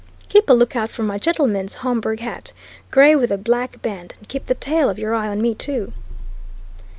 Keep a look out for my gentleman's Homburg hat grey, with a black band and keep the tail of your eye on me, too."